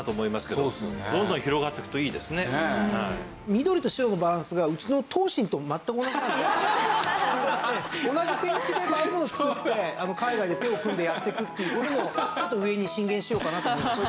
緑と白のバランスがうちの東進と全く同じなので同じペンキでああいうもの造って海外で手を組んでやっていくっていう事もちょっと上に進言しようかなと思いました。